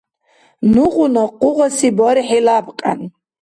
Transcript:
Нургъуна къугъаси бархӀи лябкьян.